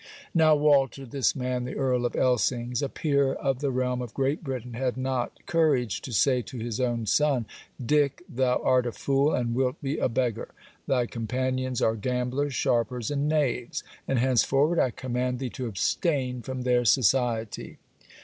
Now, Walter, this man, the Earl of Elsings! a peer of the realm of Great Britain! had not courage to say to his own son 'Dick, thou art a fool, and wilt be a beggar. Thy companions are gamblers, sharpers, and knaves; and henceforward I command thee to abstain from their society.'